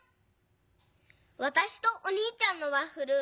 わたしとおにいちゃんのワッフル